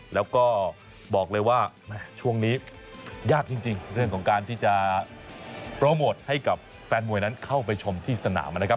แล้วก็บอกเลยว่าช่วงนี้ยากจริงเรื่องของการที่จะโปรโมทให้กับแฟนมวยนั้นเข้าไปชมที่สนามนะครับ